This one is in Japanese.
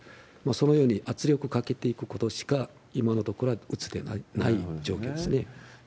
そのように圧力をかけていくことしか、今のところは打つ手ない状況ですね。